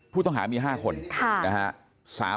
ผู้ต้องหามี๕คนนะฮะ